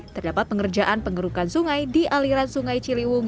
terdapat pengerjaan pengerukan sungai di aliran sungai ciliwung